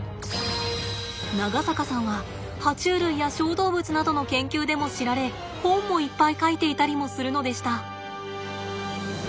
長坂さんは爬虫類や小動物などの研究でも知られ本もいっぱい書いていたりもするのでした！